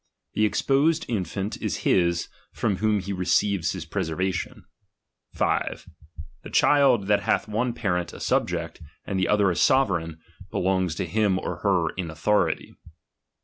The exposed infaot is hia, from whom he receives his pre servation. 5. The child that hath one parent a subject, and the other a sovereign, belongs to him or her in authority.